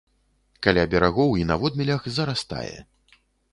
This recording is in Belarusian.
Каля берагоў і на водмелях зарастае.